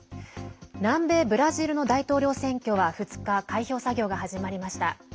南米ブラジルの大統領選挙は２日開票作業が始まりました。